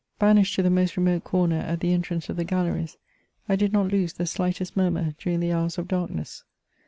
Banished to the most remote comer at the entrance of the galleries, I did not lose the slightest murmur during the hours of darkness.